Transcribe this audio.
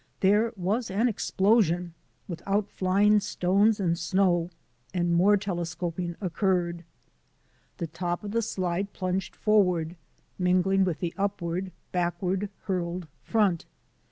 There was an explosion, with outflying stones and snow, and more telescoping occurred. The top of the slide plunged forward, mingling with the upward, back ward hurled front.